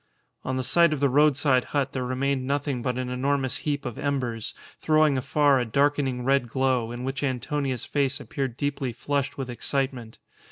On the site of the roadside hut there remained nothing but an enormous heap of embers, throwing afar a darkening red glow, in which Antonia's face appeared deeply flushed with excitement.